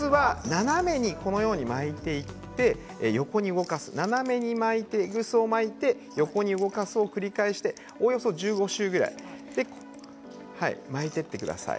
斜めに巻いていって横に動かす斜めにテグスを巻いて横に力動かすを繰り返しておよそ１５周ぐらい巻いていってください。